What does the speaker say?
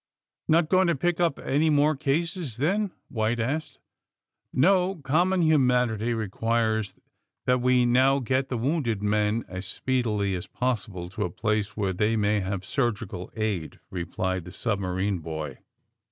*^Not going to pick up any more cases, then?" White asked. '^ No ; common humanity requires that we now get the wounded men as speedily as possible to a place where they may have surgical aid," re plied the submarine boy.